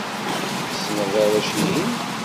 Tessneḍ arrac-ihin?